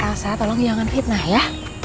elsa tolong jangan fitnah ya